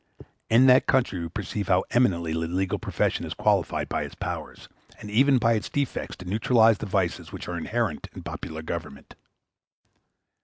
In that country we perceive how eminently the legal profession is qualified by its powers, and even by its defects, to neutralize the vices which are inherent in popular government.